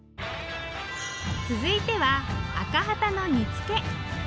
続いてはアカハタの煮つけ。